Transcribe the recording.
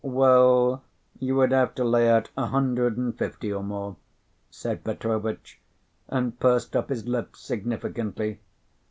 "Well, you would have to lay out a hundred and fifty or more," said Petrovitch, and pursed up his lips significantly.